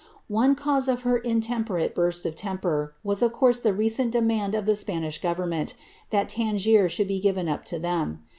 One cause of her intemperate burst of temper wu of course the recent demand of the Spanish government, that Tangier nhould be given up to them.